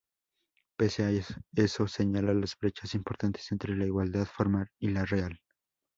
Pese a ello, señala la "brechas importantes entre la igualdad formal y la real.